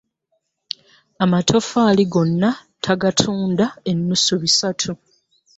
Amatoffaali gonna tagatunda ennusu bisatu.